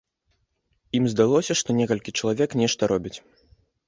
Ім здалося, што некалькі чалавек нешта робяць.